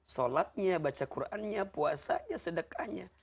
sholatnya baca qurannya puasanya sedekahnya